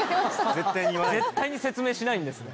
絶対に説明しないんですね